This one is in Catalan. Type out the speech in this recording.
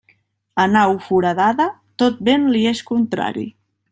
A nau foradada, tot vent li és contrari.